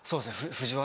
藤原！